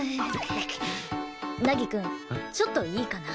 凪くんちょっといいかな？